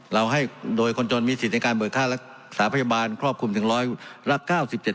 เราให้โดยคนจนมีสิทธิ์ในการเบิกค่ารักษาพยาบาลครอบคลุมถึงร้อยละ๙๗